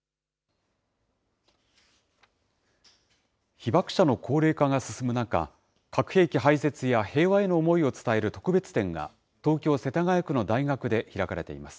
被爆者の高齢化が進む中、核兵器廃絶や平和への思いを伝える特別展が、東京・世田谷区の大学で開かれています。